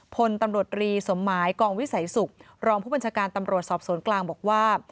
พลตำรวจรีสมหมายกองวิสัยศุกร์รองผู้บัญชาการตำรวจสอบสวนกลางบอกว่า